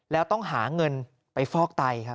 แล้วต้องหาเงินไปฟอกไตครับ